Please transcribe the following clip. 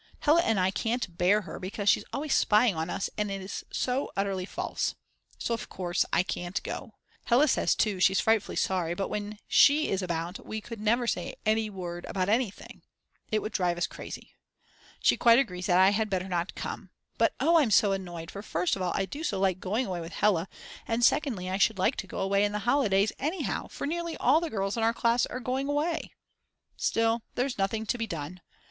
Hella and I can't bear her because she's always spying on us and is so utterly false. So of course I can't go. Hella says too she's frightfully sorry, but when she is about we could never say a word about anything, it would drive us crazy. She quite agrees that I had better not come. But oh I'm so annoyed for first of all I do so like going away with Hella and secondly I should like to go away in the holidays anyhow for nearly all the girls in our class are going away. Still, there's nothing to be done.